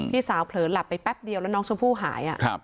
พี่สาวเผลอหลับไปแป๊บเดียวแล้วน้องชมพู่หาย